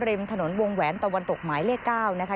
ริมถนนวงแหวนตะวันตกหมายเลข๙นะคะ